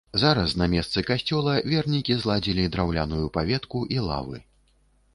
Зараз на месцы касцёла вернікі зладзілі драўляную паветку і лавы.